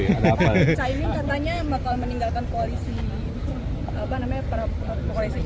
cahiming katanya bakal meninggalkan koalisi prabowo gimana